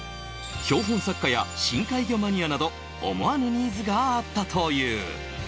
標本作家や深海魚マニアなど、思わぬニーズがあったという。